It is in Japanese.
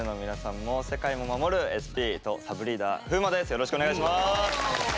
よろしくお願いします。